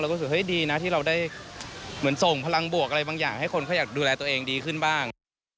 ก็คือเฮ้ยดีนะที่เราได้เหมือนส่งพลังบวกอะไรบางอย่างให้คนเขาอยากดูแลตัวเองดีขึ้นบ้าง